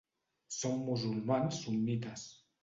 Són musulmans sunnites.